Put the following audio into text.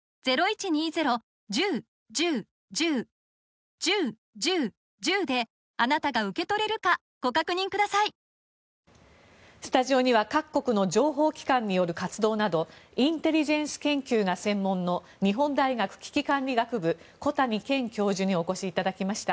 逮捕されたテシェイラ容疑者はスタジオには各国の情報機関による活動などインテリジェンス研究が専門の日本大学危機管理学部小谷賢教授にお越しいただきました。